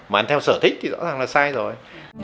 mà theo sở thích thì rõ ràng là sai rồi